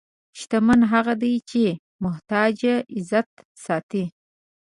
شتمن هغه دی چې د محتاج عزت ساتي.